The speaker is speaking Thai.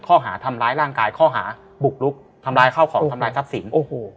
ข้อหาทำร้ายร่างกายข้อหาบุกลุกทำร้ายข้าวของทำลายทรัพย์สิน